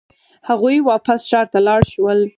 هغوی واپس ښار ته لاړ شول.